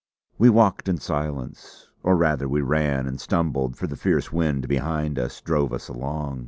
We walked in silence; or rather we ran and stumbled, for the fierce wind behind us drove us along.